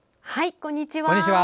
こんにちは。